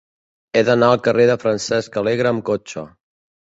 He d'anar al carrer de Francesc Alegre amb cotxe.